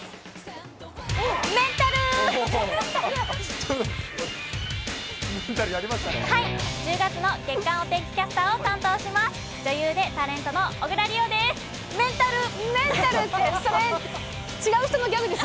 メンタル！１０月の月間お天気キャスターを担当します、女優でタレントの小椋梨央です。